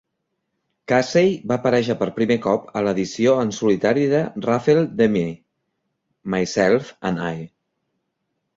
Casey va aparèixer per primer cop a l'edició en solitari de Raphael de Me, Myself and I.